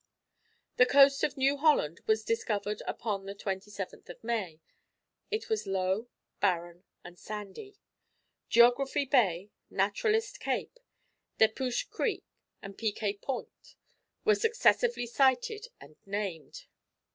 The coast of New Holland was discovered upon the 27th of May. It was low, barren, and sandy. Geography Bay, Naturalist Cape, Depuch Creek, and Piquet Point, were successively sighted and named.